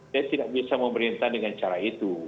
saya tidak bisa memerintah dengan cara itu